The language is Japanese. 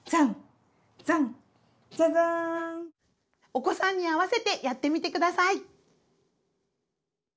お子さんに合わせてやってみてください。